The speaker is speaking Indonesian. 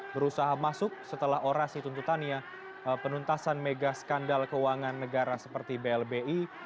berusaha masuk setelah orasi tuntutannya penuntasan mega skandal keuangan negara seperti blbi